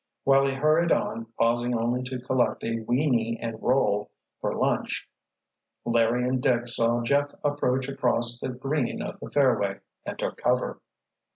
While he hurried on, pausing only to collect a "wienie" and roll for lunch, Larry and Dick saw Jeff approach across the green of the fairway and took cover.